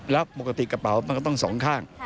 แล้วปกติกระเป๋ามันก็ต้องสองข้าง